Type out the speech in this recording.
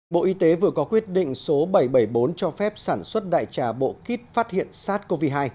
bộ y tế vừa có quyết định số bảy trăm bảy mươi bốn cho phép sản xuất đại trà bộ kit phát hiện sars cov hai